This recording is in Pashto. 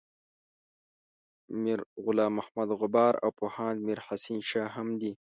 میر غلام محمد غبار او پوهاند میر حسین شاه هم دي.